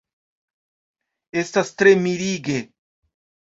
Estas tre mirige!